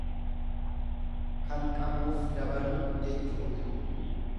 Kan qabuuf dabaluu jechuudha.